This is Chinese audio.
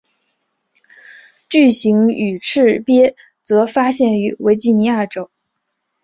巨型羽翅鲎则发现于维吉尼亚州。